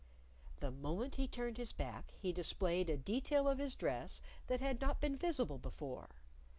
The moment he turned his back he displayed a detail of his dress that had not been visible before.